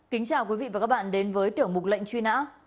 kính chào quý vị và các bạn đến với tiểu mục lệnh truy nã